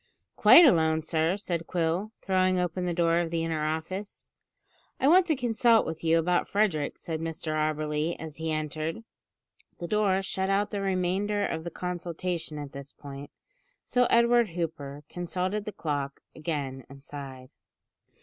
"Quite alone, sir," said Quill, throwing open the door of the inner office. "I want to consult with you about Frederick," said Mr Auberly as he entered. The door shut out the remainder of the consultation at this point, so Edward Hooper consulted the clock again and sighed.